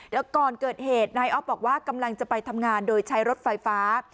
เดี๋ยวก่อนเกิดเหตุนายอ๊อฟบอกว่ากำลังจะไปทำงานโดยใช้รถไฟฟ้า